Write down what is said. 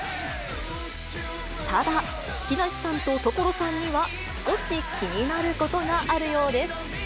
ただ、木梨さんと所さんには少し気になることがあるようです。